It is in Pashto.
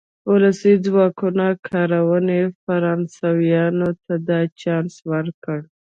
ولسي ځواکونو کارونې فرانسویانو ته دا چانس ورکړ.